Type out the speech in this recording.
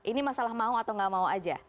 bisa ini masalah mau atau nggak mau saja